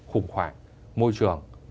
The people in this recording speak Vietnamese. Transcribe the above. khủng hoảng môi trường